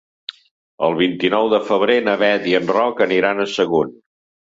El vint-i-nou de febrer na Bet i en Roc aniran a Sagunt.